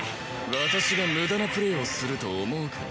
私が無駄なプレイをすると思うかい？